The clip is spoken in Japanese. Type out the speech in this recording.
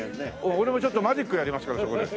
俺もちょっとマジックやりますからそこで。